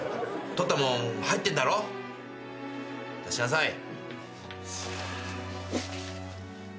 取ったもん入ってるだろ出しなさい。